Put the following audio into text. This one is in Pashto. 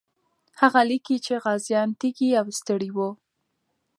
هغه لیکي چې غازیان تږي او ستړي وو.